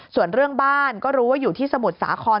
ส่วนเรื่องบ้านก็รู้ว่าอยู่ที่สมุทรสาคร